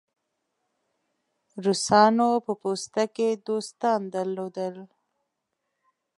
روسانو په پوسته کې دوستان درلودل.